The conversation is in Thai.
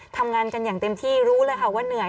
ทำงานกันอย่างเต็มที่รู้เลยค่ะว่าเหนื่อย